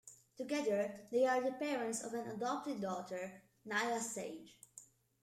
Together, they are the parents of an adopted daughter, Naiya Sage.